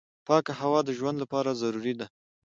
پاکه هوا د ژوند لپاره ضروري ده.